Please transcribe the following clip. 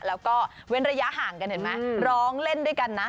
แล้วก็เว้นระยะห่างกันเห็นไหมร้องเล่นด้วยกันนะ